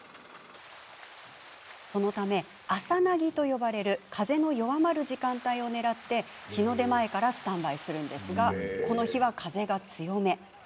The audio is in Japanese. そのため、朝なぎと呼ばれる風の弱まる時間帯を狙って日の出前からスタンバイするのですがこの日は風が強め。